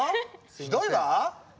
ひどいわ！